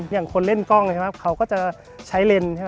อย่างคนเล่นกล้องเขาก็จะใช้เลนย์